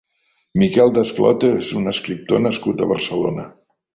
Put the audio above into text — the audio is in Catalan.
Miquel Desclot és un escriptor nascut a Barcelona.